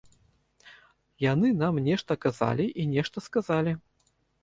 Яны нам нешта казалі і нешта сказалі.